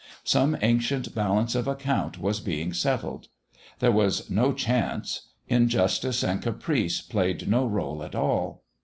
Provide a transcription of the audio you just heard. Some ancient balance of account was being settled; there was no "chance"; injustice and caprice played no role at all....